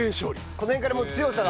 この辺から強さが。